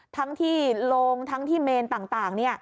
ทั้งที่โรงทั้งที่เมนต่าง